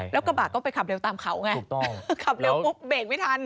แล้วกระบะก็ไปขับเร็วตามเขาไงขับเร็วปุ๊บเบรกไม่ทัน